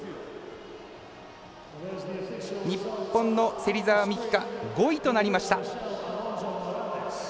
日本の芹澤美希香５位となりました。